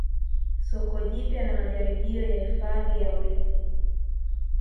Soko jipya na majaribio ya hifadhi ya urithi